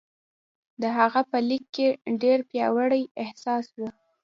د هغه په لیک کې ډېر پیاوړی احساس و